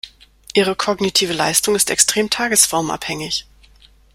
Ihre kognitive Leistung ist extrem tagesformabhängig.